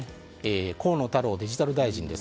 河野太郎デジタル大臣です。